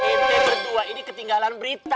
kita berdua ini ketinggalan berita